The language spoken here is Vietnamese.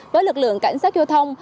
với lực lượng cảnh sát giao thông